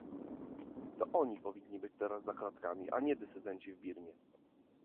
To oni powinni być teraz za kratkami, a nie dysydenci w Birmie!